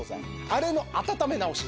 あれの温め直し。